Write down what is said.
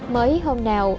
mới hôm nào